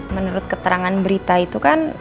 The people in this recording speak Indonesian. menurut keterangan berita itu kan